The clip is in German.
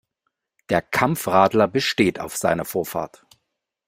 Der Kampfradler besteht auf seine Vorfahrt.